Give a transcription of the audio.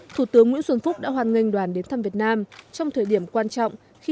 thủ tướng nguyễn xuân phúc đã hoàn nghênh đoàn đến thăm việt nam trong thời điểm quan trọng khi